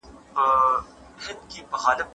هغوی به زموږ په اړه څه وايي؟